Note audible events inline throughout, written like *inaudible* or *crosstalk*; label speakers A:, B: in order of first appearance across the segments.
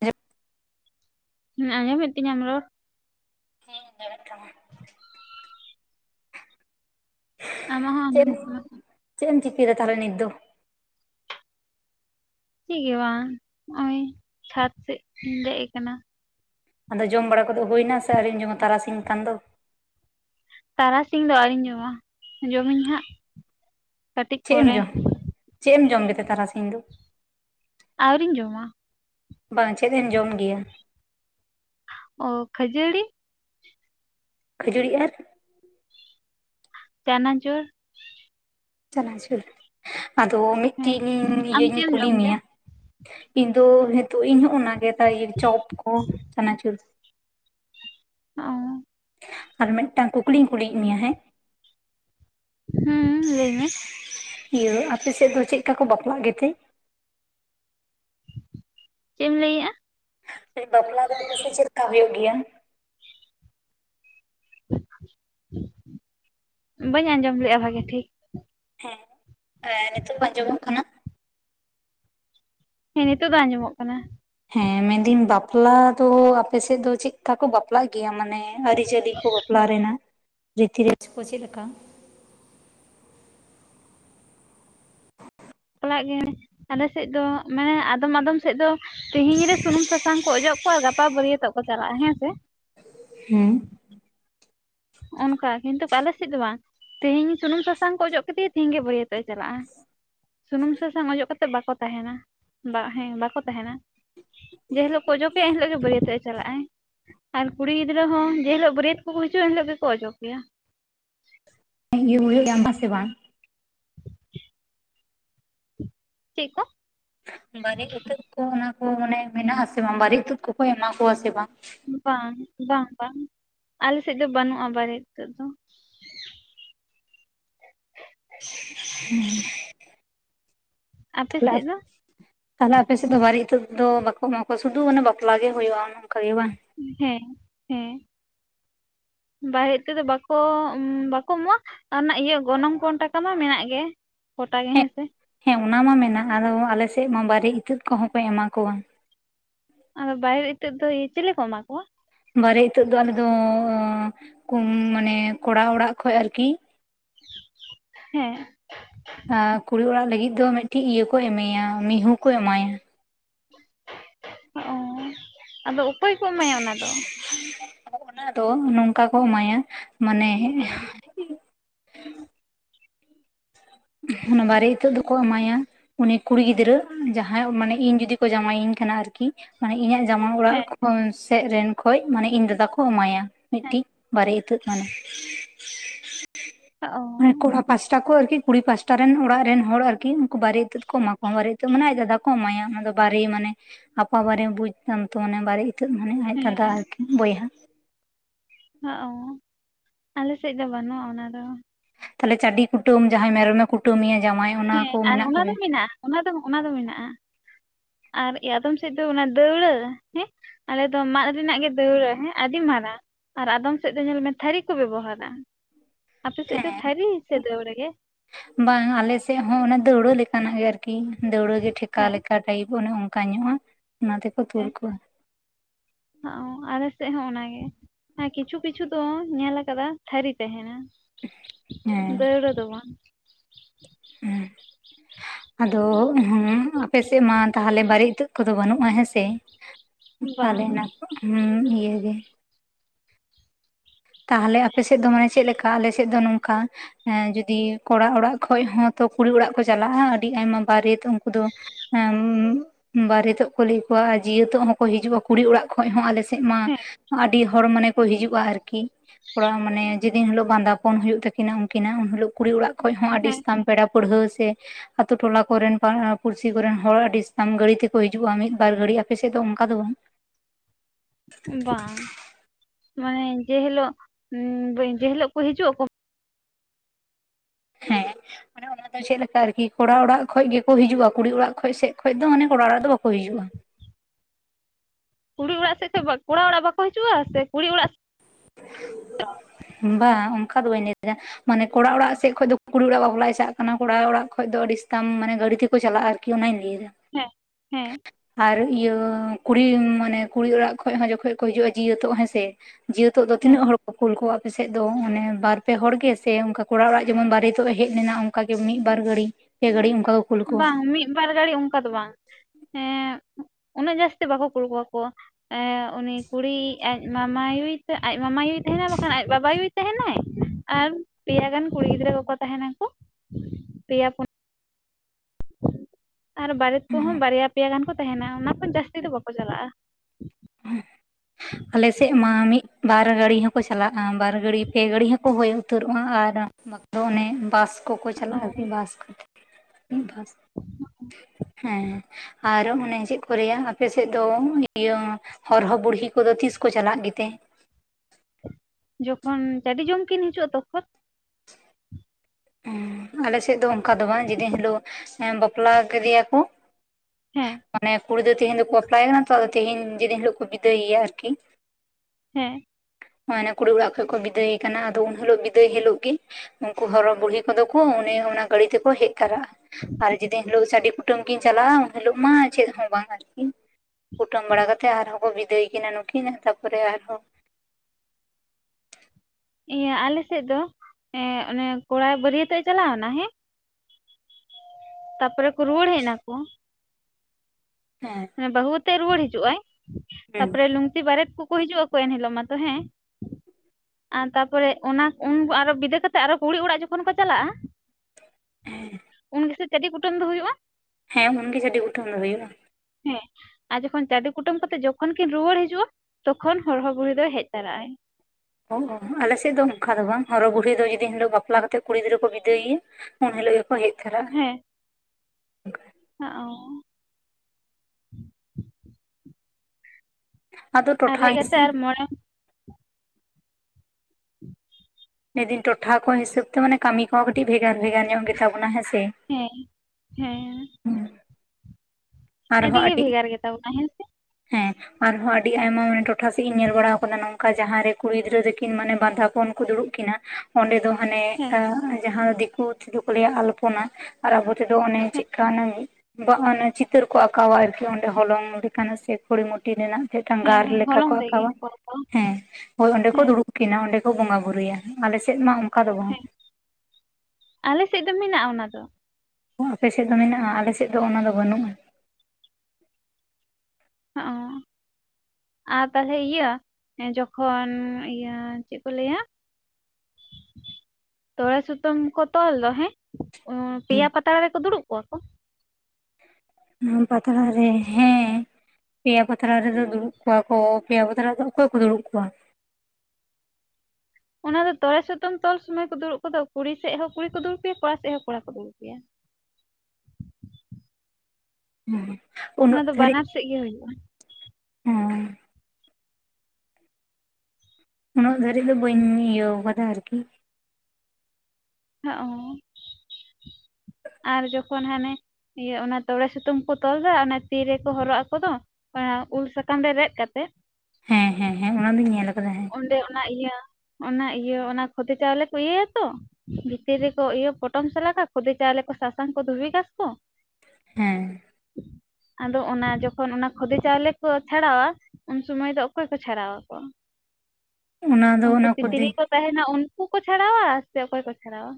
A: ᱦᱮᱸ᱾
B: ᱦᱮᱸ ᱟᱸᱡᱚᱢᱮᱫ ᱛᱤᱧᱟᱢ ᱨᱚᱲ?
A: ᱦᱮᱸ ᱫᱟᱲᱮᱠᱟᱱᱟ᱾
B: ᱟᱢᱟᱜ ᱦᱚᱸ
A: ᱪᱮᱫ ᱮᱢ
B: ᱟᱸᱡᱚᱢᱚᱜ ᱠᱟᱱᱟ
A: ᱪᱮᱫ ᱮᱢ ᱪᱤᱛᱮᱫᱟ ᱛᱟᱦᱚᱞᱮ ᱱᱤᱛᱫᱚ?
B: ᱪᱮᱫ ᱜᱮ ᱵᱟᱝ ᱱᱚᱜᱚᱭ ᱪᱷᱟᱫᱽ ᱥᱮᱫ ᱤᱧ ᱫᱮᱡ ᱟᱠᱟᱱᱟ᱾
A: ᱟᱫᱚ ᱡᱚᱢ ᱵᱟᱲᱟ ᱠᱚᱫᱚ ᱦᱩᱭᱱᱟ ᱥᱮ ᱟᱣᱨᱤᱢ ᱡᱚᱢᱟ ᱛᱟᱨᱟᱥᱤᱧ ᱠᱟᱱ ᱫᱚ᱾
B: ᱛᱟᱨᱟᱥᱤᱧ ᱫᱚ ᱟᱨᱣᱨᱤᱧ ᱡᱚᱢᱟ ᱡᱚᱢᱟᱹᱧ ᱦᱟᱸᱜ᱾ ᱠᱟᱹᱴᱤᱡ
A: ᱪᱮᱫ ᱮᱢ
B: ᱯᱚᱨᱮ
A: ᱡᱚᱢ ᱪᱮᱫ ᱮᱢ ᱡᱚᱢ ᱜᱮᱛᱮ ᱛᱟᱨᱟᱥᱤᱧ ᱫᱚ?
B: ᱟᱹᱣᱨᱤᱧ ᱡᱚᱢᱟ᱾
A: ᱵᱟᱝ ᱪᱮᱫ ᱮᱢ ᱡᱚᱢ ᱜᱮᱭᱟ?
B: ᱚ ᱠᱷᱟᱹᱡᱟᱹᱲᱤ?
A: ᱠᱷᱟᱹᱡᱟᱹᱲᱤ ᱟᱨ
B: ᱪᱟᱱᱟ ᱪᱩᱨ,
A: ᱪᱟᱱᱟᱪᱩᱨ ᱟᱫᱚ ᱢᱤᱫᱴᱤᱡ
B: ᱦᱮᱸ
A: ᱤᱧ
B: ᱟᱢ
A: ᱤᱭᱟᱹᱧ
B: ᱪᱮᱫ ᱮᱢ
A: ᱠᱩᱞᱤ
B: ᱡᱚᱢ ᱠᱮᱭᱟ
A: ᱢᱮᱭᱟ ᱤᱧ ᱫᱚ ᱱᱤᱛᱚᱜ ᱤᱧ ᱦᱚᱸ ᱚᱱᱟᱜ ᱪᱚᱯ ᱠᱚ ᱪᱟᱱᱟᱪᱩᱨ
B: ᱚᱸ᱾
A: ᱟᱨ ᱢᱤᱫᱴᱟᱝ ᱠᱩᱠᱞᱤᱧ ᱠᱩᱞᱤᱭᱮᱫ ᱢᱮᱭᱟ ᱦᱮᱸ
B: ᱦᱮᱸ ᱞᱟᱹᱭ ᱢᱮ?
A: ᱤᱭᱟᱹ ᱟᱯᱮ ᱥᱮᱫ ᱫᱚ ᱪᱮᱫ ᱞᱮᱠᱟ ᱠᱚ ᱵᱟᱯᱞᱟᱜ ᱜᱮᱛᱮ?
B: ᱪᱮᱫ ᱮᱢ ᱞᱟᱹᱭᱮᱜᱼᱟ?
A: ᱵᱟᱯᱞᱟ ᱫᱚ ᱟᱯᱮ ᱥᱮᱫ ᱪᱮᱫ ᱞᱮᱠᱟ ᱦᱩᱭᱩᱜ ᱜᱮᱭᱟ?
B: ᱵᱟᱹᱧ ᱟᱸᱡᱚᱢ ᱞᱮᱜᱼᱟ ᱵᱷᱟᱜᱮ ᱴᱷᱤᱠ᱾
A: ᱦᱮᱸ ᱮᱸᱻ ᱱᱤᱛᱚᱜ ᱟᱸᱡᱚᱢᱚᱜ ᱠᱟᱱᱟ᱾
B: ᱦᱮᱸ ᱱᱤᱛᱚᱜ ᱫᱚ ᱟᱸᱡᱚᱢᱚᱜ ᱠᱟᱱᱟ᱾
A: ᱦᱮᱸ ᱢᱮᱱᱫᱟᱹᱧ ᱵᱟᱯᱞᱟ ᱫᱚ ᱟᱯᱮᱥᱮᱫ ᱫᱚ ᱪᱮᱫᱠᱟ ᱠᱚ ᱵᱟᱯᱞᱟᱜ ᱜᱮᱭᱟ ᱢᱟᱱᱮ ᱢᱟᱱᱮ ᱟᱹᱨᱤᱪᱟᱹᱞᱤ ᱠᱚ ᱵᱟᱯᱞᱟ ᱨᱮᱱᱟᱜ ᱨᱤᱛᱤ ᱨᱮᱡᱽ ᱠᱚ ᱪᱮᱫ ᱞᱮᱠᱟ?
B: ᱵᱟᱯᱞᱟᱜ ᱜᱮ ᱟᱞᱮ ᱥᱮᱫ ᱫᱚ ᱢᱟᱱᱮ ᱟᱫᱚᱢ ᱟᱫᱚᱢ ᱥᱮᱫ ᱫᱚ ᱛᱤᱦᱤᱧ ᱨᱮ ᱥᱩᱱᱩᱢ ᱥᱟᱥᱟᱝ ᱠᱚ ᱚᱡᱚᱜ ᱠᱚᱣᱟ, ᱟᱨ ᱜᱟᱯᱟ ᱵᱟᱹᱨᱤᱭᱟᱹᱛᱚᱜ ᱠᱚ ᱪᱟᱞᱟᱜᱼᱟ ᱦᱮᱸ ᱥᱮ
A: ᱦᱩᱸ
B: ᱚᱱᱠᱟ ᱠᱤᱱᱛᱩ ᱟᱞᱮ ᱥᱮᱫ ᱫᱚ ᱵᱟᱝ ᱛᱤᱦᱤᱧ ᱥᱩᱱᱩᱢ ᱥᱟᱥᱟᱝ ᱠᱚ ᱚᱡᱚᱜ ᱠᱮᱫᱮ ᱛᱤᱦᱤᱧ ᱜᱮ ᱵᱟᱹᱨᱤᱭᱟᱹᱛᱚᱜ ᱮ ᱪᱟᱞᱟᱜᱼᱟ᱾ ᱥᱩᱱᱩᱢ ᱥᱟᱥᱟᱝ ᱚᱡᱚᱜ ᱠᱟᱛᱮᱫ ᱵᱟᱠᱚ ᱛᱟᱦᱮᱱᱟ ᱵᱟ ᱦᱮᱸ ᱵᱟᱠᱚ ᱛᱟᱦᱮᱱᱟ᱾ ᱡᱮ ᱦᱤᱞᱳᱜ ᱠᱚ ᱚᱡᱚᱜ ᱜᱮ ᱦᱤᱞᱳᱜ ᱜᱮ ᱵᱟᱨᱤᱭᱟᱹᱛᱚᱜ ᱮ ᱪᱟᱞᱟᱜᱼᱟ᱾ ᱟᱨ ᱠᱩᱲᱤ ᱜᱤᱫᱽᱨᱟᱹ ᱦᱚᱸ ᱡᱮ ᱦᱤᱞᱳᱜ ᱵᱟᱹᱨᱤᱭᱟᱹᱛᱚᱜ ᱠᱚᱠᱚ ᱦᱤᱡᱩᱜᱼᱟ, ᱮᱱᱦᱤᱞᱳᱜ ᱜᱮᱠᱚ ᱚᱡᱚᱜ ᱜᱮᱭᱟ᱾
A: *unintelligible* ᱦᱮᱸ ᱥᱮ ᱵᱟᱝ
B: *inaudible* ᱪᱮᱠᱠᱟ
A: ᱵᱟᱨᱮ ᱤᱛᱟᱹᱫ ᱠᱚ ᱚᱱᱟ ᱠᱚ ᱢᱟᱱᱮ ᱢᱮᱱᱟᱜ ᱟᱥᱮ ᱵᱟᱝ ᱵᱟᱨᱮ ᱤᱛᱟᱹᱫ ᱠᱚᱠᱚ ᱮᱢᱟ ᱠᱚᱣᱟ ᱥᱮ ᱵᱟᱝ?
B: ᱵᱟᱝ ᱵᱟᱝ ᱵᱟᱝ ᱟᱞᱮ ᱥᱮᱫ ᱫᱚ ᱵᱟᱹᱱᱩᱜᱼᱟ ᱵᱟᱨᱮ ᱤᱛᱟᱹᱫ ᱫᱚ᱾
A: ᱦᱮᱸ
B: ᱟᱯᱮ
A: ᱛᱟᱦᱞᱮ
B: ᱥᱮᱫ ᱫᱚ
A: ᱛᱟᱦᱚᱞᱮ ᱟᱯᱮ ᱥᱮᱫ ᱫᱚ ᱵᱟᱨᱮ ᱤᱛᱩᱫ ᱫᱚ ᱵᱟᱠᱚ ᱮᱢᱟ ᱠᱚᱣᱟ, ᱥᱩᱫᱷᱩ ᱢᱟᱱᱮ ᱵᱟᱯᱞᱟ ᱜᱮ ᱦᱩᱭᱩᱜᱼᱟ᱾ ᱚᱱᱮ ᱚᱱᱠᱟ ᱜᱮ ᱵᱟᱝ
B: ᱦᱮᱸ - ᱦᱮᱸ ᱵᱟᱨᱦᱮ ᱨᱮᱫᱚ ᱵᱟᱠᱚ ᱵᱟᱠᱚ ᱮᱢᱚᱜᱼᱟ ᱟᱨ ᱚᱱᱟ ᱤᱭᱟᱹ ᱜᱚᱱᱚᱝ ᱯᱚᱱ ᱴᱟᱠᱟ ᱢᱟ ᱢᱮᱱᱟᱜ ᱜᱮ, ᱜᱚᱴᱟ ᱜᱮ ᱦᱮᱸ ᱥᱮ᱾
A: ᱦᱮᱸ ᱚᱱᱟ ᱢᱟ ᱢᱮᱱᱟ ᱟᱫᱚ ᱟᱞᱮᱥᱮᱫ ᱢᱟ ᱵᱟᱨᱮ ᱤᱛᱟᱹᱜ ᱠᱚᱦᱚᱸ ᱠᱚ ᱮᱢᱟ ᱠᱚᱣᱟ᱾
B: ᱟᱫᱚ ᱵᱟᱭᱨᱮ ᱤᱛᱟᱹᱜ ᱫᱚ ᱪᱮᱞᱮ ᱠᱚ ᱮᱢᱟ ᱠᱚᱣᱟ?
A: ᱵᱟᱨᱮ ᱤᱛᱟᱹᱜ ᱫᱚ ᱟᱞᱮᱫᱚ ᱢᱟᱱᱮ ᱠᱚᱲᱟ ᱚᱲᱟᱜ ᱠᱷᱚᱡ ᱟᱨᱠᱤ
B: ᱦᱮᱸ
A: ᱟᱨ ᱠᱩᱲᱤ ᱚᱲᱟᱜ ᱞᱟᱹᱜᱤᱫ ᱫᱚ ᱢᱤᱫᱴᱤᱡ ᱤᱭᱟᱹ ᱠᱚ ᱮᱢᱮᱭᱟ, ᱢᱤᱦᱩ ᱠᱚ ᱮᱢᱟᱭᱟ᱾
B: ᱚᱸᱻ ᱟᱫᱚ ᱚᱠᱚᱭ ᱠᱚ ᱮᱢᱟᱭᱟ ᱚᱱᱟ ᱫᱚ᱾
A: ᱚᱱᱟ ᱫᱚ ᱱᱚᱝᱠᱟ ᱠᱚ ᱮᱢᱟᱭᱟ ᱢᱟᱱᱮ ᱚᱱᱟ ᱵᱟᱨᱮ ᱤᱛᱟᱹᱜ ᱫᱚᱠᱚ ᱮᱢᱟᱭᱟ ᱩᱱᱤ ᱠᱩᱲᱤ ᱜᱤᱫᱽᱨᱟᱹ ᱡᱟᱦᱟᱸᱭ ᱢᱟᱱᱮ ᱤᱧ ᱡᱩᱫᱤ ᱠᱚ ᱡᱟᱸᱣᱟᱭᱤᱧ ᱠᱟᱱᱟ ᱟᱨᱠᱤ ᱢᱟᱱᱮ ᱤᱧᱟᱹᱜ ᱡᱟᱢᱟ ᱚᱲᱟᱜ
B: ᱦᱮᱸ
A: ᱠᱷᱚᱱ ᱥᱮᱫ ᱨᱮᱱ ᱠᱷᱚᱱ ᱢᱟᱱᱮ ᱤᱧ ᱫᱟᱫᱟ ᱠᱚ ᱮᱢᱟᱭᱟ
B: ᱦᱮᱸ
A: ᱢᱤᱫᱴᱤᱡ ᱵᱟᱨᱮ ᱤᱛᱟᱹᱫ ᱢᱟᱱᱮ
B: ᱚ
A: ᱠᱚᱲᱟ ᱯᱟᱥᱴᱟ ᱠᱚ ᱟᱨᱠᱤ ᱠᱩᱲᱤ ᱯᱟᱥᱴᱟ ᱨᱮᱱ ᱚᱲᱟᱜ ᱨᱮᱱ ᱦᱚᱲ ᱟᱨᱠᱤ ᱩᱱᱠᱩ ᱵᱟᱨᱮ ᱤᱛᱟᱹᱛ ᱠᱚ ᱮᱢᱟ ᱠᱚ ᱵᱟᱨᱮ ᱤᱛᱟᱹᱜ ᱢᱟᱱᱮ ᱟᱡ ᱫᱟᱫᱟ ᱠᱚ ᱮᱢᱟᱭᱟ, ᱚᱱᱟ ᱫᱚ ᱵᱟᱨᱮ ᱢᱟᱱᱮ ᱟᱯᱟ ᱵᱟᱨᱮ ᱵᱩᱡ ᱫᱟᱢ ᱛᱚ ᱢᱟᱱᱮ ᱵᱟᱨᱮ ᱤᱛᱟᱹᱜ ᱢᱟᱱᱮ ᱟᱡ
B: ᱦᱮᱸ
A: ᱫᱟᱫᱟ
B: ᱦᱮᱸ
A: ᱟᱨᱠᱤ ᱵᱚᱭᱦᱟ᱾
B: ᱦᱚᱸᱜ-ᱚ ᱟᱞᱮ ᱥᱮᱫ ᱫᱚ ᱵᱟᱹᱱᱩᱜᱼᱟ ᱚᱱᱟ ᱫᱚ᱾
A: ᱛᱟᱦᱞᱮ ᱪᱟᱹᱰᱤ ᱠᱩᱴᱟᱹᱢ ᱡᱟᱦᱟᱸᱭ ᱢᱮᱨᱚᱢ ᱮ ᱠᱩᱴᱟᱹᱢ ᱢᱮᱭᱟ ᱡᱟᱣᱟᱭ ᱚᱱᱟ
B: ᱦᱮᱸ
A: ᱠᱚ
B: ᱟᱨ
A: ᱢᱮᱱᱟᱜ
B: ᱚᱱᱟ
A: ᱛᱚᱵᱮ?
B: ᱫᱚ ᱢᱮᱱᱟᱜᱼᱟ ᱚᱱᱟ ᱫᱚ ᱚᱱᱟ ᱫᱚ ᱢᱮᱱᱟᱜᱼᱟ ᱟᱨ ᱮ ᱟᱫᱚᱢ ᱥᱮᱫ ᱫᱚ ᱚᱱᱟ ᱫᱟᱹᱣᱲᱟᱹ ᱦᱮᱸ ᱟᱞᱮ ᱫᱚ ᱢᱟᱫ ᱨᱮᱱᱟᱜ ᱜᱮ ᱫᱟᱹᱣᱲᱟᱹ ᱦᱮᱸ ᱟᱹᱰᱤ ᱢᱟᱨᱟᱝ ᱟᱨ ᱟᱫᱚᱢ ᱥᱮᱫ ᱫᱚ ᱧᱮᱞᱢᱮ ᱛᱷᱟᱹᱨᱤ ᱠᱚ ᱵᱮᱵᱚᱦᱟᱨᱟ, ᱟᱯᱮ ᱥᱮᱫ ᱫᱚ ᱛᱷᱟᱹᱨᱤ ᱥᱮ ᱫᱟᱹᱣᱲᱟᱹ ᱜᱮ?
A: ᱵᱟᱝᱼᱟ ᱟᱞᱮᱥᱮᱫ ᱦᱚᱸ ᱚᱱᱮ ᱫᱟᱹᱣᱲᱟᱹ ᱞᱮᱠᱟᱱᱟᱜ ᱜᱮ ᱟᱨᱠᱤ ᱫᱟᱹᱣᱲᱟᱹᱜ ᱜᱮ ᱴᱷᱮᱠᱟ
B: ᱦᱮᱸ
A: ᱞᱮᱠᱟ ᱾ ᱴᱟᱭᱤᱯ ᱚᱱᱮ ᱚᱱᱠᱟ ᱧᱚᱜᱼᱟ ᱚᱱᱟ ᱛᱮᱠᱚ ᱛᱩᱞ ᱠᱚᱣᱟ ᱾
B: ᱦᱳᱜᱼᱚᱸ ᱟᱞᱮ ᱥᱮᱫ ᱦᱚᱸ ᱚᱱᱟᱜᱮ ᱾ ᱦᱮᱸ ᱠᱤᱪᱷᱩ ᱠᱤᱪᱷᱩ ᱫᱚ ᱧᱮᱞ ᱟᱠᱟᱫᱟ ᱛᱷᱟᱹᱨᱤ ᱛᱟᱦᱮᱱᱟ ᱾
A: ᱦᱮᱸ ᱾
B: ᱫᱟᱹᱣᱲᱟᱹ ᱫᱚ ᱵᱟᱝ
A: ᱦᱮᱸ ᱾ ᱟᱫᱚ ᱦᱩᱸ ᱟᱯᱮ ᱥᱮᱫ ᱢᱟ ᱛᱟᱦᱚᱞᱮ ᱵᱟᱨᱮ ᱤᱛᱟᱹᱫ ᱠᱚᱫᱚ ᱵᱟᱹᱱᱩᱜᱼᱟ ᱾ ᱦᱮᱸ ᱥᱮ
B: ᱵᱟᱝ
A: ᱛᱟᱦᱚᱞᱮ ᱚᱱᱟᱜ ᱠᱚ ᱦᱩᱸ ᱤᱭᱟ ᱜᱮ ᱾ ᱛᱟᱦᱚᱞᱮ ᱟᱯᱮ ᱥᱮᱫ ᱫᱚ ᱢᱟᱱᱮ ᱪᱮᱫ ᱞᱮᱠᱟ? ᱟᱞᱮ ᱥᱮᱫ ᱫᱚ ᱱᱚᱝᱠᱟ ᱦᱮᱸ ᱡᱚᱫᱤ ᱠᱚᱲᱟ ᱚᱲᱟᱜ ᱠᱷᱚᱡ ᱦᱚᱸᱛᱚ ᱠᱩᱲᱤ ᱚᱲᱟᱜ ᱠᱚ ᱪᱟᱞᱟᱜᱼᱟ, ᱟᱹᱰᱤ ᱟᱭᱢᱟ ᱵᱟᱨᱮᱛ ᱩᱱᱠᱩ ᱫᱚ ᱦᱮᱸ ᱵᱟᱨᱦᱮ ᱛᱚᱜ ᱠᱚ ᱞᱟᱹᱭᱮᱜ ᱠᱚᱣᱟ ᱟᱨ ᱡᱤᱭᱟᱹ ᱛᱚᱜ ᱦᱚᱸᱠᱚ ᱦᱤᱡᱩᱜᱼᱟ ᱠᱩᱲᱤ ᱚᱲᱟᱜ ᱠᱷᱚᱡ ᱦᱚᱸ ᱟᱞᱮ ᱥᱮ ᱫ ᱢᱟ
B: ᱦᱮᱸ
A: ᱟᱹᱰᱤ ᱦᱚᱲ ᱢᱟᱱᱮ ᱠᱚ ᱦᱤᱡᱩᱜᱼᱟ ᱟᱨᱠᱤ ᱾ ᱠᱚᱲᱟ ᱢᱟᱱᱮ ᱡᱮᱫᱤ ᱤᱱ ᱦᱤᱞᱳᱜ ᱵᱟᱸᱫᱟᱯᱚᱱ ᱦᱩᱭᱩᱜ ᱛᱟᱹᱠᱤᱱᱟ ᱩᱱᱠᱤᱱᱟᱜ ᱩᱱ ᱦᱤᱞᱳᱜ ᱠᱩᱲᱤ ᱚᱲᱟᱜ ᱠᱷᱚᱡ ᱦᱚᱸ ᱟᱹᱰᱤ
B: ᱦᱮᱸ
A: ᱥᱮᱛᱟᱱ ᱯᱮᱲᱟ ᱯᱟᱲᱦᱟᱹᱣ ᱥᱮ ᱟᱛᱳ ᱴᱚᱞᱟ ᱠᱚᱨᱮᱱ ᱵᱟᱝ ᱯᱩᱲᱥᱤ ᱠᱚᱨᱮᱱ ᱦᱚᱲ ᱟᱹᱰᱤ ᱥᱮᱛᱟᱢ ᱜᱟᱹᱲᱤ ᱛᱮᱠᱚ ᱦᱤᱡᱩᱜᱼᱟ, ᱢᱤᱫ-ᱵᱟᱨ ᱜᱟᱹᱲᱤ ᱟᱯᱮᱥᱮᱫ ᱫᱚ ᱚᱱᱠᱟ ᱫᱚ ᱵᱟᱝ?
B: ᱵᱟᱝ ᱢᱟᱱᱮ ᱡᱮ ᱦᱤᱞᱳᱜ ᱡᱮ ᱦᱤᱞᱳᱜ ᱠᱚ ᱦᱤᱡᱩᱜ ᱟᱠᱚ
A: ᱦᱮᱸ ᱾ ᱢᱟᱱᱮ ᱚᱱᱟ ᱫᱚ ᱪᱮᱫ ᱞᱮᱠᱟ ᱟᱨᱠᱤ ᱠᱚᱲᱟ ᱚᱲᱟᱜ ᱠᱷᱚᱡ ᱜᱮᱠᱚ ᱦᱤᱡᱩᱜᱼᱟ, ᱠᱩᱲᱤ ᱚᱲᱟᱜ ᱠᱷ ᱥᱮᱡ ᱠᱷᱚᱡ ᱫᱚ ᱢᱟᱱᱮ ᱠᱚᱲᱟ ᱚᱲᱟᱜ ᱫᱚ ᱵᱟᱠᱚ ᱦᱤᱡᱩᱜᱼᱟ ᱾
B: ᱠᱩᱲᱤ ᱚᱲᱟᱜ ᱥᱮᱫ ᱠᱷᱚᱱ ᱠᱚᱲᱟ ᱚᱲᱟᱜ ᱵᱟᱠᱚ ᱦᱤᱡᱩᱜᱼᱟ ᱥᱮ ᱠᱩᱲᱤ ᱚᱲᱟᱜ ᱥᱮᱫ
A: ᱵᱟᱝ ᱚᱱᱠᱟ ᱫᱚ ᱵᱟᱹᱧ ᱞᱟᱹᱭᱟᱮᱫ ᱛᱟᱦᱮᱱᱟ ᱢᱟᱱᱮ ᱠᱚᱲᱟ ᱚᱲᱟᱜ ᱥᱮᱫ ᱠᱷᱚᱡ ᱠᱩᱲᱤ ᱚᱲᱟᱜ ᱵᱟᱯᱞᱟᱭ ᱪᱟᱜ ᱠᱟᱱᱟ, ᱠᱚᱲᱟ ᱚᱲᱟᱜ ᱠᱷᱚᱡ ᱫᱚ ᱟᱹᱰᱤ ᱥᱟᱛᱟᱢ ᱢᱟᱱᱮ ᱜᱟᱹᱰᱤ ᱛᱮᱠᱚ ᱪᱟᱞᱟᱜ ᱟᱨ ᱠᱤ ᱚᱱᱟᱧ ᱞᱟᱹᱭᱮᱫᱟ ᱾
B: ᱦᱮᱸ ᱦᱮᱸ ᱾
A: ᱟᱨ ᱤᱭᱟᱹ ᱠᱩᱲᱤ ᱢᱟᱱᱮ ᱠᱩᱲᱤ ᱚᱲᱟᱜ ᱠᱷᱚᱱ ᱦᱚᱸ ᱡᱚᱠᱷᱚᱱ ᱠᱚ ᱦᱤᱡᱩᱜᱼᱟ ᱡᱤᱣᱟᱛᱚᱜ ᱦᱮᱸ ᱥᱮ ᱾ ᱡᱤᱣᱟᱛᱚᱜ ᱫᱚ
B: ᱦᱮᱸ
A: ᱛᱤᱱᱟᱹᱜ ᱦᱚᱲ ᱠᱚ ᱠᱩᱞ ᱠᱚᱣᱟ? ᱟᱯᱮᱥᱮᱫ ᱫᱚ ᱚᱱᱮ ᱵᱟᱨ ᱯᱮ ᱦᱚᱲ ᱜᱮ ᱥᱮ ᱚᱱᱠᱟ ᱠᱚᱲᱟ ᱚᱲᱟᱜ ᱡᱮᱢᱚᱱ ᱵᱟᱨᱮᱛᱚᱜ ᱮ ᱦᱮᱡ ᱞᱮᱱᱟ ᱚᱱᱠᱟᱟᱜ ᱜᱮ ᱢᱤᱫ ᱵᱟᱨ ᱜᱷᱟᱹᱲᱤ? ᱪᱮ ᱜᱟᱹᱰᱤ ᱚᱱᱠᱟ ᱠᱩᱞ ᱠᱚᱣᱟ
B: ᱵᱟᱝ ᱢᱤᱫ ᱵᱟᱨ ᱜᱟᱹᱲᱤ ᱚᱱᱠᱟ ᱫᱚ ᱵᱟᱝ, ᱮᱸ ᱩᱱᱟᱹᱜ ᱡᱟᱹᱥᱛᱤ ᱵᱟᱠᱚ ᱠᱩᱞ ᱠᱚᱣᱟᱠᱚ ᱾ ᱮ ᱩᱱᱤ ᱠᱩᱲᱤ ᱟᱡ ᱢᱟᱢᱟᱭ ᱟᱭᱩ, ᱟᱡ ᱢᱟᱢᱟᱭ ᱟᱛᱩ ᱛᱟᱦᱮᱱᱟ, ᱵᱟᱠᱷᱟᱱ ᱟᱡ ᱵᱟᱵᱟᱭ ᱩᱭᱩ ᱛᱟᱦᱮᱱᱟᱭ ᱟᱨ ᱯᱮᱭᱟ ᱜᱟᱱ ᱠᱩᱲᱤ ᱜᱤᱫᱽᱨᱟᱹ ᱠᱚᱠᱚ ᱛᱟᱦᱮᱱᱟᱠᱚ, ᱯᱮᱭᱟ ᱯᱩᱱ ᱟᱨ ᱵᱟᱨᱮᱛ ᱠᱚᱦᱚᱸ ᱵᱟᱨᱭᱟ ᱯᱮᱭᱟ ᱜᱟᱱ ᱠᱚ ᱛᱟᱦᱮᱱᱟ, ᱚᱱᱟ ᱠᱚ ᱡᱟᱹᱥᱛᱤ ᱫᱚ ᱵᱟᱠᱚ ᱪᱟᱞᱟᱜᱼᱟ ᱾
A: ᱦᱮᱸ ᱟᱞᱮ ᱥᱮᱫ ᱢᱟ ᱢᱤᱫ ᱵᱟᱨ ᱜᱟᱹᱲᱤ ᱦᱚᱸᱠᱚ ᱪᱟᱞᱟᱜᱼᱟ, ᱵᱟᱨ ᱜᱟᱹᱲᱤ ᱯᱮ ᱜᱟᱹᱲᱤ ᱦᱚᱸᱠᱚ ᱦᱚ ᱩᱛᱟᱹᱨᱚᱜᱼᱟ ᱟᱨ ᱵᱟᱝ ᱫᱚ ᱩᱱᱤ ᱵᱟᱥ ᱠᱚᱠᱚ
B: ᱚ
A: ᱪᱟᱞᱟᱜ ᱠᱤ ᱵᱟᱥ ᱠᱚᱛᱮ ᱵᱟᱥ ᱦᱮᱸ ᱟᱨ ᱚᱱᱮ ᱪᱮᱫ ᱠᱚ ᱨᱮᱭᱟᱜ ᱟᱯᱮᱥᱮᱫ ᱫᱚ ᱤᱭᱟᱹ ᱦᱚᱨᱦᱚ ᱵᱩᱲᱦᱤ ᱠᱚᱫᱚ ᱛᱤᱥ ᱠᱚ ᱪᱟᱞᱟᱜ ᱜᱮᱛᱮ?
B: ᱡᱚᱠᱷᱚᱱ ᱪᱟᱹᱰᱤ ᱡᱚᱢ ᱠᱤᱱ ᱦᱤᱡᱩᱜᱼᱟ ᱛᱚᱠᱷᱚᱱ
A: ᱟᱞᱮ ᱥᱮᱫ ᱫᱚ ᱚᱱᱠᱟ ᱫᱚ ᱵᱟᱝ, ᱡᱮᱫᱤᱱ ᱦᱤᱞᱳᱜ ᱵᱟᱯᱞᱟ ᱠᱮᱫᱮᱭᱟ ᱠᱚ
B: ᱦᱮᱸ ᱾
A: ᱢᱟᱱᱮ ᱠᱩᱲᱤ ᱫᱚ ᱛᱮᱦᱮᱧ ᱫᱚᱠᱚ ᱵᱟᱯᱞᱟᱭᱮ ᱠᱟᱱᱟ ᱛᱚ, ᱟᱫᱚ ᱛᱮᱦᱤᱧ ᱡᱮᱫᱤᱱ ᱦᱤᱞᱳᱜ ᱠᱚ ᱵᱤᱫᱟᱹᱭᱮᱭᱟ ᱟᱨᱠᱤ
B: ᱦᱮᱸ ᱾
A: ᱢᱟᱱᱮ ᱠᱩᱲᱤ ᱚᱲᱟᱜ ᱠᱷᱚᱡ ᱠᱚ ᱵᱤᱫᱟᱹᱭᱮ ᱠᱟᱱᱟ, ᱟᱫᱚ ᱩᱱ ᱦᱤᱞᱳᱜ ᱵᱤᱫᱟᱹᱭ ᱦᱤᱞᱳᱜ ᱜᱮ ᱩᱱᱠᱩ ᱦᱚᱨᱚ ᱵᱩᱲᱦᱤ ᱠᱚᱫᱚ ᱠᱚ ᱩᱱᱤ ᱚᱱᱟ ᱜᱟᱹᱰᱤ ᱛᱮᱠᱚ ᱦᱮᱡ ᱛᱮᱟᱨᱟᱜᱼᱟ, ᱟᱨ ᱡᱩᱫᱤ ᱦᱤᱞᱚᱜ ᱪᱟᱰᱤ ᱠᱩᱴᱟᱹᱢ ᱠᱤᱱ ᱪᱟᱞᱟᱜᱼᱟ, ᱩᱱ ᱦᱤᱞᱳᱜ ᱢᱟ ᱪᱮᱫ ᱦᱚᱸ ᱵᱟᱝ ᱟᱨᱠᱤ ᱠᱩᱴᱟᱹᱢ ᱵᱟᱲᱟ ᱠᱟᱛᱮᱫ ᱟᱨᱦᱚᱸ ᱠᱚ ᱵᱤᱫᱟᱹᱭ ᱠᱤᱱᱟ ᱱᱩᱠᱤᱱ ᱟᱨ ᱛᱟᱯᱚᱨᱮ ᱟᱨᱦᱚᱸ
B: ᱤᱭᱟᱹ ᱟᱞᱮᱥᱮᱫ ᱫᱚ ᱮᱸ ᱚᱱᱮ ᱠᱚᱲᱟ ᱵᱟᱹᱨᱭᱟᱹᱛᱚᱜ ᱮ ᱪᱟᱞᱟᱣ ᱱᱟ ᱦᱮᱸ ᱛᱯᱚᱨᱮ ᱠᱚ ᱨᱩᱣᱟᱲ ᱦᱮᱡ ᱱᱟ ᱠᱚ,
A: ᱦᱮᱸ᱾
B: ᱦᱮᱸ ᱵᱟᱹᱦᱩ ᱟᱛᱮᱜ ᱨᱩᱣᱟᱹᱲ ᱦᱤᱡᱩᱜ ᱟᱭ
A: ᱦᱩᱸ
B: ᱛᱟᱯᱚᱨᱮ ᱞᱩᱝᱛᱤ ᱵᱟᱨᱮᱛ ᱠᱚᱠᱚ ᱦᱤᱡᱩᱜᱼᱟ ᱠᱚ ᱮᱱᱦᱤᱞᱳ ᱢᱟᱛᱚ ᱦᱮᱸ᱾ ᱟᱨ ᱛᱟᱯᱚᱨᱮ ᱚᱱᱟ ᱩᱱ ᱟᱨᱚ ᱵᱤᱫᱟᱹ ᱠᱟᱛᱮᱜ ᱟᱨᱚ ᱠᱩᱲᱤ ᱚᱲᱟᱜ ᱡᱚᱠᱷᱚᱱ ᱠᱚ ᱪᱟᱞᱟᱜᱼᱟ ᱩᱱ ᱜᱮᱥᱮ ᱪᱟᱹᱰᱷᱤ ᱠᱩᱴᱟᱹᱢ ᱫᱚ ᱦᱩᱭᱩᱜᱼᱟ?
A: ᱦᱮᱸ ᱩᱱᱜᱮ ᱪᱟᱹᱰᱤ ᱠᱩᱴᱟᱹᱢ ᱫᱚ ᱦᱩᱭᱩᱜᱼᱟ᱾
B: ᱦᱮᱸ ᱟᱨ ᱡᱚᱠᱷᱚᱱ ᱪᱟᱹᱰᱤ ᱠᱩᱴᱟᱹᱢ ᱠᱟᱛᱮᱜ ᱡᱚᱠᱷᱚᱱ ᱠᱤᱱ ᱨᱩᱣᱟᱹᱲ ᱦᱤᱡᱩᱜᱼᱟ ᱛᱚᱠᱷᱚᱱ ᱦᱚᱨᱦᱚ ᱵᱩᱲᱦᱤ ᱫᱚ ᱦᱮᱡ ᱛᱚᱨᱟᱜᱼᱟᱭ᱾
A: ᱚ ᱚ ᱟᱞᱮᱥᱮᱫ ᱫᱚ ᱚᱝᱠᱟ ᱫᱚ ᱵᱟᱝ ᱦᱚᱨᱚᱦᱚ ᱫᱚ ᱡᱩᱫᱤᱱ ᱦᱤᱞᱳᱜ ᱵᱟᱯᱞᱟ ᱠᱟᱛᱮᱫ ᱠᱩᱲᱤ ᱜᱤᱫᱽᱨᱟᱹ ᱠᱚ ᱵᱤᱫᱟᱹᱭ ᱭᱟ ᱩᱱ ᱦᱤᱞᱳᱜ ᱜᱮᱠᱚ ᱦᱮᱡ ᱛᱟᱨᱟᱜ
B: ᱦᱚᱸᱜᱼᱚ᱾
A: ᱟᱫᱚ
B: ᱟᱨ
A: ᱴᱚᱴᱷᱟ
B: ᱦᱮᱡ
A: ᱦᱤᱸᱥ
B: ᱠᱟᱛᱮ ᱟᱨ ᱢᱚᱬᱮ
A: ᱞᱮ ᱫᱤᱧ ᱴᱚᱴᱷᱟ ᱠᱚ ᱦᱤᱥᱟᱹᱵ ᱛᱮ ᱢᱟᱱᱮ ᱠᱟᱹᱢᱤ ᱠᱚᱦᱚᱸ ᱠᱟᱹᱴᱤᱡ ᱵᱷᱮᱜᱟᱨ ᱵᱷᱮᱜᱟᱨ ᱧᱚᱜ ᱜᱮᱛᱟᱵᱚᱱᱟ ᱦᱮᱸᱥᱮ᱾
B: ᱦᱮᱸ ᱦᱮᱸ᱾
A: ᱟᱨᱦᱚᱸ
B: ᱟᱹᱰᱤᱜᱮ
A: ᱟᱹᱰᱤ
B: ᱵᱷᱮᱜᱟᱨ ᱜᱮᱛᱟᱵᱚᱱᱟ ᱦᱮᱸᱥᱮ?
A: ᱦᱮᱸ᱾ ᱟᱨᱦᱚᱸ ᱟᱹᱰᱤ ᱟᱭᱢᱟ ᱢᱟᱱᱮ ᱴᱚᱴᱷᱟ ᱥᱮᱫ ᱤᱧ ᱧᱮᱞ ᱵᱟᱲᱟ ᱠᱟᱱᱟ ᱱᱚᱝᱠᱟ ᱡᱟᱦᱟᱸᱨᱮ ᱠᱩᱲᱤ ᱜᱤᱫᱽᱨᱟᱹ ᱛᱤᱠᱤᱱ ᱢᱟᱱᱮ ᱵᱟᱸᱫᱷᱟᱯᱚᱱ ᱫᱩᱲᱩᱵ ᱠᱤᱱᱟ ᱚᱸᱰᱮ ᱫᱚ ᱦᱟᱸᱱᱮ
B: ᱦᱮᱸ
A: ᱡᱟᱦᱟᱸ ᱫᱤᱠᱩ ᱛᱤᱫᱩ ᱠᱚ ᱞᱮᱭᱟ ᱟᱞᱯᱚᱱᱟ ᱟᱨ ᱟᱵᱚ ᱛᱮᱫᱚ ᱚᱱᱮ
B: ᱦᱮᱸ
A: ᱪᱮᱫᱠᱟᱱᱟᱜ ᱫᱟᱜ ᱢᱟᱱᱮ ᱪᱤ ᱪᱤᱛᱟᱹᱨ ᱠᱚ ᱟᱸᱠᱟᱣᱟ ᱟᱨᱠᱤ ᱚᱸᱰᱮ ᱦᱚᱞᱚᱝ ᱞᱮᱠᱟᱱᱟᱜ ᱥᱮ ᱠᱷᱚᱲᱤᱢᱚᱴᱤ ᱨᱮᱱᱟᱜ᱾ ᱪᱮᱫᱪᱚᱝ
B: ᱦᱮᱸ
A: ᱜᱟᱨ
B: ᱦᱮᱸ
A: ᱞᱮᱠᱟ ᱠᱚ
B: ᱦᱚᱞᱚᱝ ᱛᱮᱜᱮ
A: ᱟᱠᱟᱣᱟ
B: ᱠᱚ
A: ᱦᱮᱸ ᱦᱳᱭ ᱚᱸᱰᱮ ᱠᱚ
B: ᱦᱮᱸ
A: ᱫᱩᱲᱩᱵ ᱠᱤᱱᱟ ᱚᱸᱰᱮ ᱠᱚ ᱵᱚᱸᱜᱟ ᱵᱩᱨᱩᱭᱟ, ᱟᱞᱮᱥᱮᱫ ᱢᱟ ᱚᱝᱠᱟ ᱫᱚ ᱵᱟᱝ᱾
B: ᱦᱮᱸ ᱟᱞᱮ ᱥᱮᱫ ᱫᱚ ᱢᱮᱱᱟᱜᱼᱟ ᱚᱱᱟ ᱫᱚ᱾
A: ᱚ ᱟᱯᱮ ᱥᱮᱫ ᱫᱚ ᱢᱮᱱᱟᱜᱼᱟ? ᱟᱞᱮ ᱥᱮᱫ ᱫᱚ ᱚᱱᱟᱫᱚ ᱵᱟᱹᱱᱩᱜᱼᱟ᱾
B: ᱦᱚᱸᱜᱼᱚ᱾ ᱟᱨ ᱛᱟᱦᱚᱞᱮ ᱤᱭᱟᱹ ᱮᱸ ᱡᱚᱠᱷᱚᱱ ᱤᱭᱟᱹ ᱪᱮᱫ ᱠᱚ ᱞᱟᱹᱭᱟ
A: *inaudible*
B: ᱛᱚᱲᱮ ᱥᱩᱛᱟᱹᱢ ᱠᱚ ᱛᱚᱞ ᱫᱚ ᱦᱮᱸ ᱚᱸ ᱯᱮᱭᱟ ᱯᱟᱛᱲᱟ ᱨᱮᱠᱚ ᱫᱩᱲᱩᱵ ᱠᱚᱜᱣᱟ ᱠᱚ᱾
A: ᱦᱚᱸ ᱯᱟᱛᱲᱟ ᱨᱮ ᱦᱮᱸ᱾ ᱯᱮᱭᱟ ᱯᱟᱛᱲᱟ ᱨᱮᱫᱚ ᱫᱩᱲᱩᱵ ᱠᱚᱣᱟ ᱠᱚ, ᱯᱮᱭᱟ ᱯᱟᱛᱲᱟ ᱨᱮᱫᱚ ᱚᱠᱚᱭ ᱠᱚ ᱫᱩᱲᱩᱵ ᱠᱚᱣᱟ?
B: ᱚᱱᱟ ᱫᱚ ᱛᱚᱲᱮ ᱥᱩᱛᱢ ᱛᱚᱞ ᱥᱚᱢᱚᱭ ᱠᱚ ᱫᱩᱲᱩᱵ ᱠᱚᱫᱚ ᱠᱩᱲᱤ ᱥᱮᱜ ᱦᱚᱸ ᱠᱩᱲᱤ ᱠᱚ ᱫᱩᱲᱩᱵᱯᱮᱭᱟ, ᱠᱚᱲᱟ ᱥᱮᱡ ᱦᱚᱸ ᱠᱚᱲᱟ ᱠᱚ ᱫᱩᱲᱩᱵᱯᱮᱭᱟ᱾
A: ᱦᱩᱸ᱾
B: ᱚᱱᱟ ᱫᱚ ᱵᱟᱱᱟᱨ ᱥᱮᱫ ᱜᱮ ᱦᱩᱭᱩᱜᱼᱟ᱾
A: ᱚᱸ᱾ ᱩᱱᱟᱹᱜ ᱫᱷᱟᱹᱨᱤᱡ ᱫᱚ ᱵᱟᱹᱧ ᱤᱭᱟᱹ ᱠᱟᱫᱟ ᱟᱨᱠᱤ᱾
B: ᱦᱟᱜᱼᱚ ᱟᱨ ᱡᱚᱠᱷᱚᱱ ᱦᱟᱸᱱᱮ ᱤᱭᱟᱹ ᱚᱱᱟ ᱛᱚᱲᱮ ᱥᱩᱛᱟᱹᱢ ᱠᱚ ᱛᱚᱞ ᱫᱚ ᱚᱱᱟ ᱛᱤᱨᱮᱠᱚ ᱦᱚᱨᱚᱜ ᱟᱠᱚ ᱫᱚ, ᱚᱱᱟ ᱩᱞ ᱥᱟᱠᱟᱢ ᱨᱮ ᱨᱮᱫ ᱠᱟᱛᱮᱜ
A: ᱦᱮᱸ ᱦᱮᱸ ᱦᱮᱸ ᱚᱱᱟ ᱫᱚᱧ ᱧᱮᱞ ᱠᱟᱫᱟ ᱦᱮᱸ᱾
B: ᱚᱸᱰᱮ ᱚᱱᱟ ᱤᱭᱟᱹ ᱚᱱᱟ ᱤᱭᱟᱹ ᱚᱱᱟ ᱠᱷᱚᱫᱮ ᱪᱟᱣᱞᱮ ᱠᱚ ᱤᱭᱟᱹᱭᱟ ᱛᱚ, ᱵᱷᱤᱛᱤᱨ ᱨᱮᱠᱚ ᱤᱭᱟᱹ ᱯᱚᱴᱚᱢ ᱥᱟᱞᱟᱜᱟ ᱠᱷᱚᱫᱮ ᱪᱟᱣᱞᱮ ᱠᱚ ᱥᱟᱥᱟᱝ ᱠᱚ ᱫᱷᱩᱵᱤ ᱜᱷᱟᱥ ᱠᱚ,
A: ᱦᱮᱸ
B: ᱟᱫᱚ ᱚᱱᱟ ᱡᱚᱠᱷᱚᱱ ᱚᱱᱟ ᱠᱷᱚᱫᱮ ᱪᱟᱣᱞᱮ ᱠᱚ ᱪᱷᱟᱲᱟᱣᱟ ᱩᱱ ᱥᱚᱢᱟᱹᱭ ᱫᱚ ᱚᱠᱚᱭ ᱠᱚ ᱪᱷᱟᱲᱟᱣ ᱟᱠᱚ
A: ᱚᱱᱟ ᱫᱚ
B: ᱩᱱᱠᱩ
A: ᱚᱱᱟ
B: ᱛᱤᱛᱨᱤ
A: ᱠᱷᱚᱫᱮ
B: ᱠᱚ ᱛᱟᱦᱮᱱᱟ ᱩᱱᱠᱩ ᱠᱚ ᱪᱷᱟᱲᱟᱣᱟ ᱥᱮ ᱚᱠᱚᱭ ᱠᱚ ᱪᱷᱟᱲᱟᱣᱟ?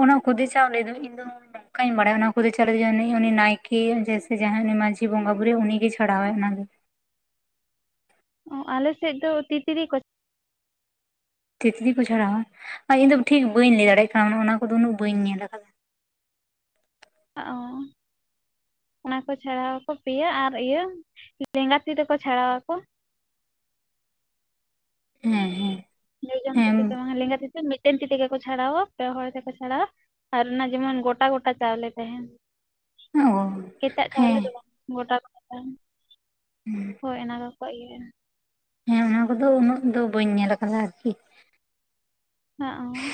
A: ᱚᱱᱟ ᱠᱷᱩᱫᱮ ᱪᱟᱣᱞ ᱫᱚ ᱤᱧ ᱫᱚ ᱱᱚᱝᱠᱟᱧ ᱵᱟᱲᱟᱭᱟ ᱚᱱᱟ ᱠᱚᱫᱚ ᱪᱟᱞᱣᱞᱮ ᱡᱟᱝ ᱩᱱᱤ ᱱᱟᱭᱠᱮ ᱡᱮᱭᱥᱮ ᱡᱟᱦᱟᱸᱭ ᱩᱱᱤ ᱢᱟᱹᱡᱷᱤ ᱵᱚᱸᱜᱟ ᱵᱩᱨᱩᱳ ᱩᱱᱤᱜᱮᱭ ᱪᱷᱟᱲᱟᱣᱟᱭ ᱚᱱᱟ ᱫᱚ
B: ᱚ ᱟᱞᱮᱥᱮᱫ ᱫᱚ ᱛᱤᱛᱨᱤ ᱠᱚ
A: ᱛᱤᱛᱨᱤ ᱠᱚ ᱪᱷᱟᱲᱟᱣᱟ ᱟᱨ ᱤᱧᱫᱚ ᱴᱷᱤᱠ ᱵᱟᱹᱧ ᱞᱟᱹᱭ ᱫᱟᱲᱮᱭᱟᱜ ᱠᱟᱱᱟ ᱚᱱᱟ ᱠᱚᱫᱚ ᱩᱱᱟᱹᱜ ᱵᱟᱹᱧ ᱧᱮᱞ ᱟᱠᱟᱫᱟ᱾
B: ᱚ ᱚᱱᱟ ᱠᱚ ᱪᱷᱟᱲᱟᱟᱣ ᱟᱠᱚ ᱯᱮᱭᱟ ᱟᱨ ᱤᱭᱟᱹ ᱞᱮᱸᱜᱟ ᱛᱤ ᱛᱮᱠᱚ ᱪᱷᱟᱲᱟᱟᱣ ᱟᱠᱚ
A: ᱦᱮᱸ
B: ᱞᱮᱭᱟᱢ
A: ᱦᱮᱸ
B: ᱞᱮᱸᱜᱟ ᱛᱤᱛᱮ ᱢᱤᱫᱴᱮᱱ ᱛᱤ ᱛᱮᱜᱮ ᱠᱚ ᱪᱷᱟᱲᱟᱣᱟ ᱯᱮ ᱦᱚᱲ ᱛᱮᱠᱚ ᱪᱷᱟᱲᱟᱣᱟ ᱟᱨ ᱚᱱᱟ ᱡᱮᱢᱚᱱ ᱜᱚᱴᱟ- ᱜᱚᱴᱟ ᱪᱟᱣᱞᱮ ᱛᱟᱦᱮᱱ
A: ᱚᱦᱚ
B: ᱮᱴᱟᱜ ᱪᱟᱣᱞᱮ ᱫᱚ ᱵᱟᱝ ᱜᱚᱴᱟ- ᱜᱚᱴᱟ ᱛᱟᱦᱮᱱᱟ ᱦᱳᱭ ᱚᱱᱟ ᱠᱚᱠᱚ ᱤᱭᱟᱹᱭᱟ
A: ᱦᱮᱸ ᱚᱱᱟ ᱠᱚᱫᱚ ᱩᱱᱟᱹᱜ ᱫᱚ ᱵᱟᱹᱧ ᱧᱮᱞ ᱠᱟᱫᱟ ᱟᱨᱠᱤ
B: ᱦᱟᱜ-ᱦᱚᱸ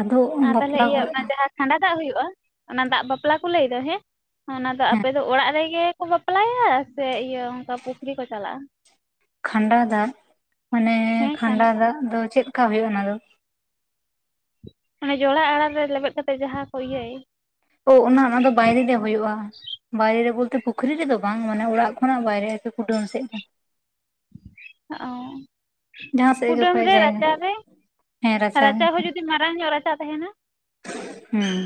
A: ᱟᱫᱚ
B: ᱟᱨ ᱛᱟᱦᱚᱞᱮ
A: ᱵᱟᱯᱞᱟ
B: ᱤᱭᱟᱹ
A: ᱠᱚᱨᱮ
B: ᱚᱱᱟ ᱡᱟᱦᱟᱸ ᱠᱷᱟᱸᱰᱟ ᱫᱟᱜ ᱦᱩᱭᱩᱜᱼᱟ ᱚᱱᱟ ᱫᱟᱜ ᱵᱟᱯᱞᱟ ᱠᱚ ᱞᱟᱹᱭ ᱫᱟ ᱦᱮᱸ ᱚᱱᱟ ᱫᱚ
A: ᱦᱮᱸ
B: ᱟᱯᱮ ᱫᱚ ᱚᱲᱟᱜ ᱨᱮᱜᱮ ᱠᱚ ᱵᱟᱯᱞᱟᱭᱟ ᱥᱮ ᱤᱭᱟᱹ ᱚᱱᱠᱟ ᱯᱩᱠᱷᱨᱤ ᱠᱚ ᱪᱟᱞᱟᱜᱼᱟ᱾
A: ᱠᱷᱟᱱᱰᱟ ᱫᱟᱜ ᱢᱟᱱᱮ
B: ᱦᱮᱸ ᱠᱷᱟᱸᱰᱟ
A: ᱠᱷᱟᱱᱰᱟ ᱫᱟᱜ ᱫᱚ ᱪᱮᱫᱠᱟ ᱦᱩᱭᱩᱜᱼᱟ ᱚᱱᱟ ᱫᱚ?
B: ᱚᱱᱮ ᱡᱚᱲᱟ ᱟᱸᱨᱟᱸᱬ ᱨᱮ ᱞᱮᱵᱮᱫ ᱠᱟᱛᱮ ᱡᱟᱦᱟᱸ ᱠᱚ ᱤᱭᱟᱹᱭ
A: ᱚ ᱚᱱᱟ, ᱚᱱᱟ ᱫᱚ ᱵᱟᱭᱨᱮ ᱨᱮ ᱦᱩᱭᱩᱜᱼᱟ᱾ ᱵᱟᱭᱨᱮ ᱵᱚᱞᱛᱮ ᱯᱩᱠᱷᱨᱤ ᱨᱮᱫᱚ ᱵᱟᱝ ᱢᱟᱱᱮ ᱚᱲᱟᱜ ᱠᱷᱚᱱᱟᱜ ᱵᱟᱭᱨᱮ ᱟᱨᱠᱤ ᱠᱩᱰᱟᱹᱢ ᱥᱮᱫ ᱨᱮ
B: ᱚ
A: ᱡᱟᱦᱟᱸ ᱥᱮᱫ ᱜᱮ
B: ᱠᱩᱰᱟᱹᱢ
A: ᱚᱠᱚᱭᱟᱜ
B: ᱨᱮ
A: ᱡᱟᱭᱜᱟ
B: ᱨᱟᱪᱟ ᱨᱮ
A: ᱦᱮᱸ
B: ᱨᱟᱪᱟ
A: ᱨᱮ
B: ᱦᱚᱸ ᱡᱩᱫᱤ ᱢᱟᱨᱟᱝ ᱧᱚᱜ ᱨᱟᱪᱟ ᱛᱟᱦᱮᱱᱟ
A: ᱦᱮᱸ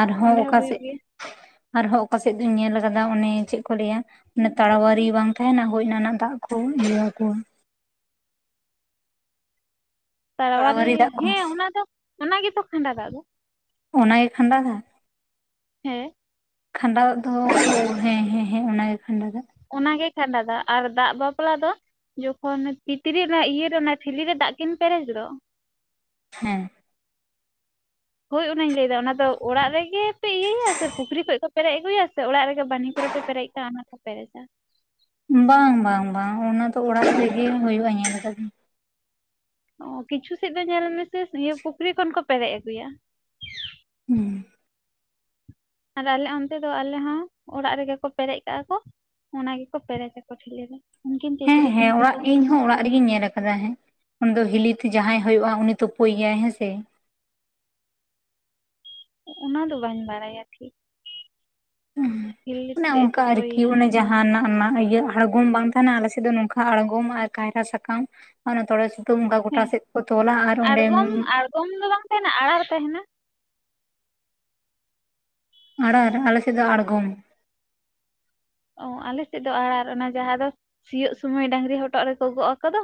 A: ᱟᱨᱦᱚᱸ
B: ᱚᱸᱰᱮ ᱦᱚᱸ
A: ᱚᱠᱟ
B: ᱦᱩᱭᱩᱜ
A: ᱥᱮᱫ
B: ᱜᱮᱭᱟ
A: ᱟᱨᱦᱚᱸ ᱚᱠᱟᱥᱮᱫ ᱫᱚᱧ ᱧᱮᱞ ᱠᱟᱫᱟ ᱚᱱᱮ ᱪᱮᱫ ᱠᱚ ᱞᱟᱹᱭᱟ ᱮ ᱛᱟᱲᱣᱟᱨᱤ ᱵᱟᱝ ᱛᱟᱦᱮᱱᱟ ᱦᱳᱭ ᱚᱱᱟ ᱨᱮᱱᱟᱜ ᱫᱟᱜ ᱠᱚ ᱤᱭᱟᱹ ᱟᱠᱚ
B: ᱛᱟᱲᱣᱟᱨᱤ
A: ᱛᱟᱲᱟᱣᱟᱨᱤ ᱫᱟᱜ ᱠᱚ
B: ᱦᱮᱸ ᱚᱱᱟ ᱫᱚ ᱚᱱᱟᱜᱮᱛᱚ ᱠᱷᱟᱸᱰᱟ ᱫᱟᱜ ᱫᱚ
A: ᱚᱱᱟᱜᱮ ᱠᱷᱟᱸᱰᱟ ᱫᱟᱜ
B: ᱦᱮᱸ
A: ᱠᱷᱟᱸᱰᱟ ᱫᱚ ᱦᱮᱸᱻᱦᱮᱸᱻᱦᱮᱸ ᱚᱱᱟᱜᱮ ᱠᱷᱟᱸᱰᱟ ᱫᱟᱜ
B: ᱚᱱᱟᱜᱮ ᱠᱷᱟᱸᱰᱟ ᱫᱟᱜ ᱟᱨ ᱫᱟᱜ ᱵᱟᱯᱞᱟ ᱫᱚ? ᱡᱚᱠᱷᱚᱱ ᱛᱤᱛᱨᱤ ᱚᱱᱟ ᱤᱭᱟᱹᱨᱮ ᱚᱱᱟ ᱴᱷᱤᱞᱤ ᱨᱮ ᱫᱟᱜ ᱠᱤᱱ ᱯᱮᱨᱮᱡ ᱫᱚ
A: ᱦᱮᱸ
B: ᱦᱳᱭ ᱚᱱᱟᱧ ᱞᱟᱹᱭᱫᱟ ᱚᱱᱟ ᱫᱚ ᱚᱲᱟᱜ ᱨᱮᱜᱮ ᱯᱮ ᱤᱭᱟᱹᱭᱟ ᱥᱮ ᱯᱩᱠᱷᱨᱤ ᱠᱷᱚᱡ ᱠᱚ ᱯᱮᱨᱮᱡ ᱟᱹᱜᱩᱭᱟ ᱥᱮ ᱚᱲᱟᱜ ᱨᱮᱜᱮ ᱵᱟᱱᱦᱤ ᱠᱚᱨᱮ ᱯᱮᱨᱮᱡ ᱠᱟᱜ-ᱟ ᱚᱱᱟ ᱠᱚ ᱯᱮᱨᱮᱡᱟ
A: ᱵᱟᱝ-ᱵᱟᱝ-ᱵᱟᱝ ᱚᱱᱟ ᱫᱚ ᱚᱲᱟᱜ ᱨᱮᱜᱮ ᱦᱩᱭᱩᱜᱼᱟ ᱧᱮᱞ ᱟᱠᱟᱫᱟᱹᱧ
B: ᱚ ᱠᱤᱪᱷᱩ ᱥᱮᱫ ᱫᱚ ᱧᱮᱞ ᱢᱮᱥᱮ ᱤᱭᱟᱹ ᱯᱩᱠᱷᱨᱤ ᱠᱷᱚᱱ ᱠᱚ ᱯᱮᱨᱮᱡ ᱟᱹᱜᱩᱭᱟ
A: ᱦᱮᱸ
B: ᱟᱨ ᱟᱞᱮ ᱚᱱᱛᱮ ᱫᱚ ᱟᱞᱮ ᱦᱚᱸ ᱚᱲᱟᱜ ᱨᱮᱜᱮ ᱠᱚ ᱯᱮᱨᱮᱡ ᱠᱟᱜᱼᱟ ᱠᱚ ᱚᱱᱟ ᱜᱮᱠᱚ ᱯᱮᱨᱮᱡᱟᱠᱚ ᱴᱷᱤᱞᱤ ᱨᱮ ᱩᱱᱠᱤᱱ ᱛᱤᱛᱨᱤ ᱠᱤᱱ
A: ᱦᱮᱸᱻᱦᱮᱸ ᱚᱲᱟᱜ
B: ᱯᱮᱨᱮᱡ
A: ᱤᱧ ᱦᱚᱸ ᱚᱲᱟᱜ ᱨᱮᱜᱤᱧ ᱧᱮᱞ ᱦᱮᱸ ᱩᱱ ᱫᱚ ᱦᱤᱞᱤᱛ ᱡᱟᱦᱟᱸᱭ ᱦᱩᱭᱩᱜᱼᱟ ᱩᱱᱤ ᱛᱳᱯᱳᱭᱮᱭᱟᱭ ᱦᱮᱸ ᱥᱮ
B: ᱚᱱᱟ ᱫᱚ ᱵᱟᱹᱧ ᱵᱟᱲᱟᱭᱟ ᱴᱷᱤᱠ ᱦᱤᱞᱤᱛ
A: ᱚᱱᱮ
B: ᱛᱮᱜ ᱮ
A: ᱚᱱᱠᱟ ᱟᱨᱠᱤ
B: ᱛᱳᱯᱳᱭᱭᱟ
A: ᱚᱱᱮ ᱡᱟᱦᱟᱱᱟᱜ ᱚᱱᱟ ᱤᱭᱟᱹ ᱟᱬᱜᱚᱢ ᱵᱟᱝ ᱛᱟᱦᱮᱱᱟ ᱟᱞᱮ ᱥᱮᱫ ᱫᱚ ᱱᱚᱝᱠᱟ ᱟᱬᱜᱚᱢ ᱟᱨ ᱠᱟᱭᱨᱟ ᱥᱟᱠᱟᱢ ᱚᱱᱮ ᱛᱚᱲᱮ ᱥᱩᱛᱟᱹᱢ ᱚᱱᱠᱟ ᱜᱚᱴᱟ ᱥᱮᱫ ᱠᱚ ᱛᱚᱞᱟ ᱟᱨ ᱚᱸᱰᱮ
B: ᱜᱚᱢ ᱫᱚ ᱵᱟᱝ ᱛᱟᱦᱮᱱᱟ ᱟᱲᱟᱨ ᱛᱟᱦᱮᱱᱟ᱾
A: ᱟᱲᱟᱨᱮ ᱟᱞᱮ ᱥᱮᱫ ᱫᱚ ᱟᱬᱜᱚᱢ᱾
B: ᱚ ᱟᱞᱮ ᱥᱮᱫ ᱫᱚ ᱟᱲᱟᱨ ᱚᱱᱟ ᱡᱟᱦᱟᱸ ᱫᱚ ᱥᱤᱭᱳᱜ ᱥᱚᱢᱚᱭ ᱰᱟᱝᱨᱤ ᱦᱚᱴᱚᱜ ᱨᱮᱠᱚ ᱜᱚᱜᱼᱟ ᱠᱚᱫᱚ᱾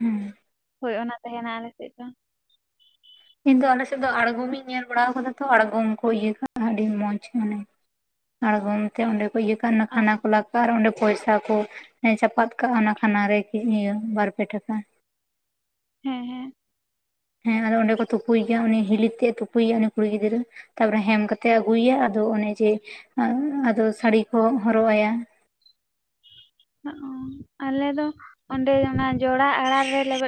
A: ᱦᱮᱸ
B: ᱦᱳᱭ ᱚᱱᱟ ᱛᱟᱦᱮᱱᱟ ᱟᱞᱮ ᱥᱮᱫ ᱫᱚ᱾
A: ᱤᱧ ᱫᱚ ᱟᱞᱮᱥᱮᱫ ᱫᱚ ᱟᱬᱜᱚᱢᱤᱧ ᱧᱮᱞ ᱵᱟᱲᱟ ᱠᱟᱫᱟ ᱛᱚ᱾ ᱟᱲᱜᱚᱢ ᱠᱚ ᱤᱭᱟᱹ ᱠᱟᱫᱟ, ᱟᱹᱰᱤ ᱢᱚᱸᱡᱽ ᱢᱟᱱᱮ ᱟᱲᱜᱚᱢ ᱛᱮ ᱚᱸᱰᱮ ᱠᱚ ᱤᱭᱟᱹ ᱠᱟᱜᱼᱟ,
B: ᱚ
A: ᱠᱷᱟᱱᱟ ᱠᱚ ᱞᱟ ᱠᱟᱜᱼᱟ ᱟᱨ ᱚᱸᱰᱮ ᱯᱚᱭᱥᱟ ᱠᱚ᱾ ᱪᱟᱯᱟᱫ ᱠᱟᱜᱼᱟ᱾ ᱚᱱᱟ ᱠᱷᱟᱱᱟ ᱨᱮ ᱤᱭᱟᱹ ᱵᱟᱨ ᱯᱮ ᱴᱟᱠᱟ᱾
B: ᱦᱮᱸ ᱦᱮᱸ᱾
A: ᱦᱮᱸ ᱟᱫᱚ ᱚᱸᱰᱮ ᱠᱚ ᱛᱩᱯᱩᱭᱮᱭᱟ, ᱩᱱᱤ ᱦᱤᱞᱤᱛ ᱛᱮᱜ ᱛᱩᱯᱩᱭᱮᱭᱟ ᱩᱱᱤ ᱠᱩᱲᱤ ᱜᱤᱫᱽᱨᱟᱹ᱾ ᱛᱟᱨᱯᱚᱨᱮ ᱦᱮᱢ ᱠᱟᱛᱮᱜ ᱟᱹᱜᱩᱭᱮᱭᱟ ᱟᱫᱚ ᱚᱱᱮ ᱡᱮ ᱟᱫᱚ ᱥᱟᱹᱲᱤ ᱠᱚ ᱦᱚᱨᱚᱜ ᱟᱭᱟ᱾
B: ᱟᱞᱮ ᱫᱚ ᱚᱸᱰᱮ ᱚᱱᱟ ᱡᱚᱲᱟ ᱟᱲᱟᱨ ᱨᱮ ᱞᱮᱵᱮᱫ